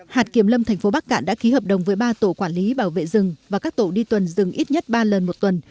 hạt kiểm lâm thành phố bắc cạn đã ký hợp đồng với ba tổ quản lý bảo vệ rừng và các tổ đi tuần rừng ít nhất ba lần một tuần